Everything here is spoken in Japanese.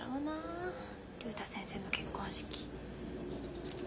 竜太先生の結婚式。